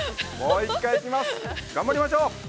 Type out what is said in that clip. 頑張りましょう。